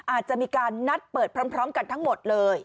อาจจะมีการนัดเปิดพร้อมกันทั้งหมดเลย